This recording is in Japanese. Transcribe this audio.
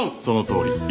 そのとおり。